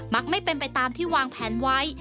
ไม่เป็นไปตามที่วางแผนไว้